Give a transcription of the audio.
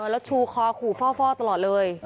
แล้วชูคอขู่ฟ่อตลอดเลย